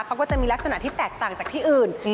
เขาก็จะมีลักษณะที่แตกต่างจากที่อื่น